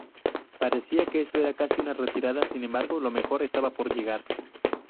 Parecía que esto era casi una retirada, sin embargo lo mejor estaba por llegar.